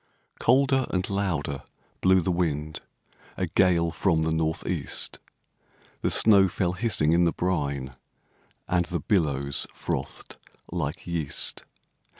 Colder and louder blew the wind, A gale from the North east; The snow fell hissing in the brine, And the billows frothed like yeast.